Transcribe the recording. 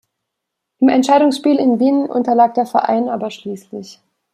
Im Entscheidungsspiel in Wien unterlag der Verein aber schließlich.